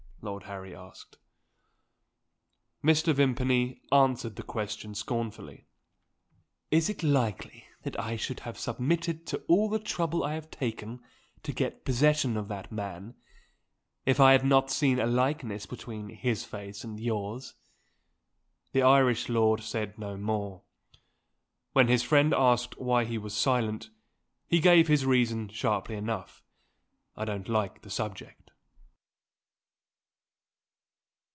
Lord Harry asked. Mr. Vimpany answered the question scornfully: "Is it likely that I should have submitted to all the trouble I have taken to get possession of that man, if I had not seen a likeness between his face and yours?" The Irish lord said no more. When his friend asked why he was silent, he gave his reason sharply enough: "I don't like the subject."